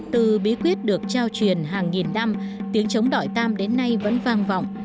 từ bí quyết được trao truyền hàng nghìn năm tiếng trống đoại tam đến nay vẫn vang vọng